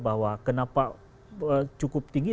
bahwa kenapa cukup tinggi